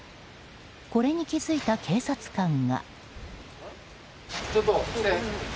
これに気付いた警察官が。